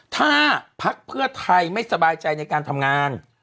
ถ้าพักเพื่อไทยไม่สบายใจในการทำงาน